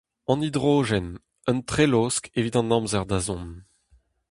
An hidrogen : un trelosk evit an amzer da zont.